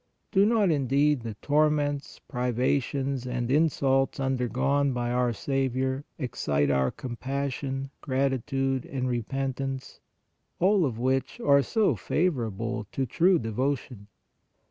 Do not, indeed, the torments, priva tions and insults undergone by our Saviour excite our compassion, gratitude and repentance, all of which are so favorable to true devotion